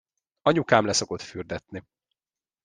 Anyukám le szokott fürdetni.